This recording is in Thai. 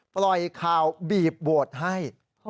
ปล่อยข่าวบีบโหวตให้